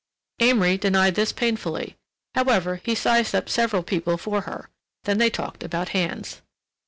Amory denied this painfully. However, he sized up several people for her. Then they talked about hands.